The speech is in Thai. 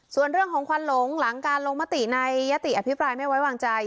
ส่วนเรื่องของควันหลงหลังการลงมติในยติอภิปรายไม่ไว้วางใจ